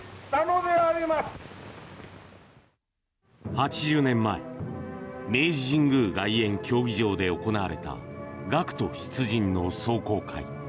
８０年前明治神宮外苑競技場で行われた学徒出陣の壮行会。